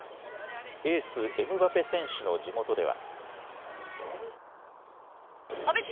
エース、エムバペ選手の地元では。